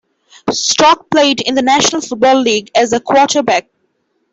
Strock played in the National Football League as a quarterback.